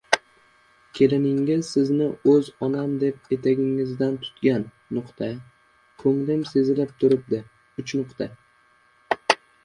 — Keliningiz sizni o‘z onam deb etagingizdan tutgan. Ko‘nglim sezib turibdi...